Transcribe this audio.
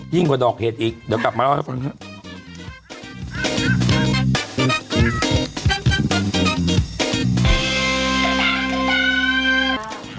กว่าดอกเห็ดอีกเดี๋ยวกลับมาเล่าให้ฟังครับ